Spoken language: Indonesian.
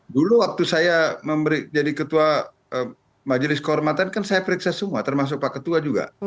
dulu waktu saya jadi ketua majelis kehormatan kan saya periksa semua termasuk pak ketua juga